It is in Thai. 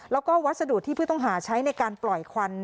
แล้วก็วัสดุที่ผู้ต้องหาใช้ในการปล่อยควัน